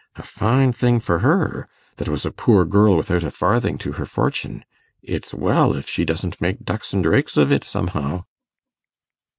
A fine thing for her, that was a poor girl without a farthing to her fortune. It's well if she doesn't make ducks and drakes of it somehow.